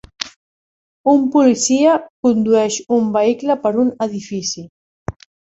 Un policia condueix un vehicle per un edifici.